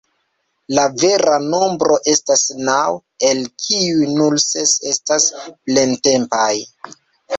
La vera nombro estas naŭ, el kiuj nur ses estas plentempaj.